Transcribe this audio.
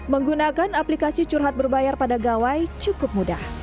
menggunakan aplikasi curhat berbayar pada gawai cukup mudah